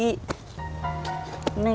tuh tinggal ini